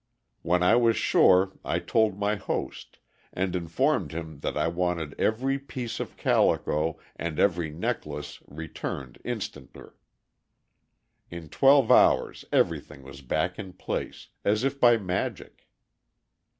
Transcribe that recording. When I was sure, I told my host, and informed him that I wanted every piece of calico and every necklace returned instanter. In twelve hours everything was back in place, as if by magic.